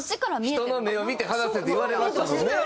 「人の目を見て話せ」って言われましたもんね。